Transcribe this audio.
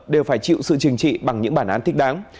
đều phải chịu sự chừng trị bằng những bản án thích đáng